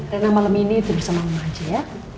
rena malam ini tidur sama mama aja ya